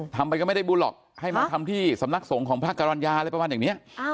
ทำไปก็ไม่ได้บุญหรอกให้มาทำที่สำนักสงฆ์ของพระกรรณญาอะไรประมาณอย่างนี้